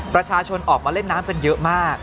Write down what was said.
ประชาชนออกมาเล่นน้ำกันเยอะมาก